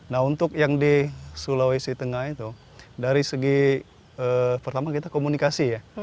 nah untuk yang di sulawesi tengah itu dari segi pertama kita komunikasi ya